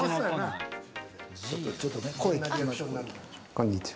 こんにちは。